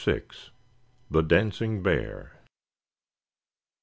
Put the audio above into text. THE DANCING BEAR.